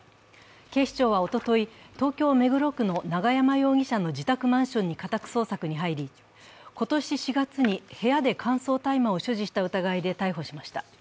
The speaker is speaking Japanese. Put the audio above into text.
警視庁はおととい、東京・目黒区の永山容疑者の自宅マンションに家宅捜索に入り、今年４月に部屋で乾燥大麻を所持した疑いで逮捕しました。